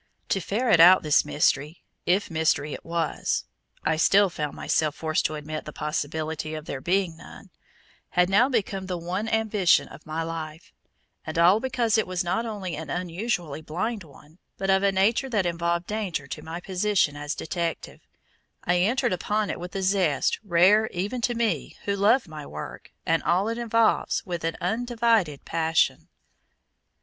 To ferret out this mystery, if mystery it was, I still found myself forced to admit the possibility of there being none had now become the one ambition of my life; and all because it was not only an unusually blind one, but of a nature that involved danger to my position as detective, I entered upon it with a zest rare even to me who love my work and all it involves with an undivided passion.